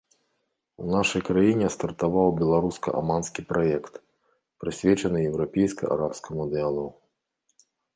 У нашай краіне стартаваў беларуска-аманскі праект, прысвечаны еўрапейска-арабскаму дыялогу.